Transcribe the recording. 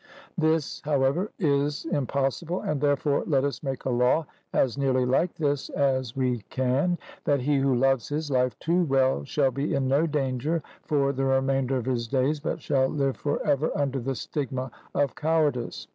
This however is impossible, and therefore let us make a law as nearly like this as we can that he who loves his life too well shall be in no danger for the remainder of his days, but shall live for ever under the stigma of cowardice.